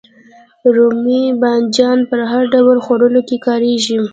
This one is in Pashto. رومی بانجان په هر ډول خوړو کې کاریږي